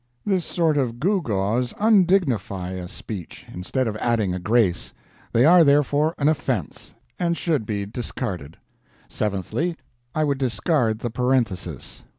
This sort of gewgaws undignify a speech, instead of adding a grace. They are, therefore, an offense, and should be discarded. Seventhly, I would discard the Parenthesis.